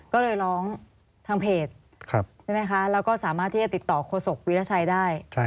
ก็เลยร้องทางเพจแล้วก็สามารถที่จะติดต่อโคสกวิราชัยได้